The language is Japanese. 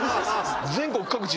全国各地